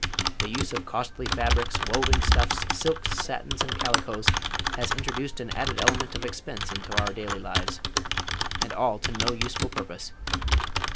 The use of costly fabrics, woven stuffs, silks, satins and calicos, has introduced an added element of expense into our daily lives, and all to no useful purpose.